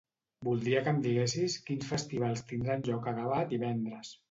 Voldria que em diguessis quins festivals tindran lloc a Gavà divendres.